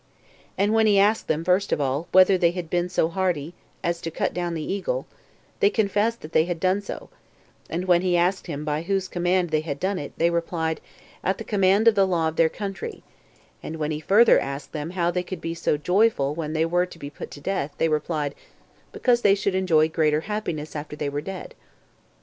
And when he asked them, first of all, whether they had been so hardy as to cut down the golden eagle, they confessed they had done so; and when he asked them by whose command they had done it, they replied, at the command of the law of their country; and when he further asked them how they could be so joyful when they were to be put to death, they replied, because they should enjoy greater happiness after they were dead.